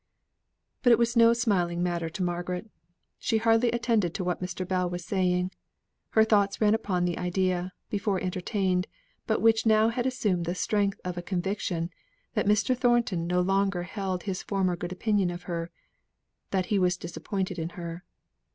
But it was no smiling matter to Margaret. She hardly attended to what Mr. Bell was saying. Her thoughts ran upon the idea, before entertained, but which now had assumed the strength of a conviction, that Mr. Thornton no longer held his former good opinion of her that he was disappointed in her.